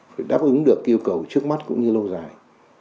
phải đáp ứng được yêu cầu trước mắt cũng như lâu dài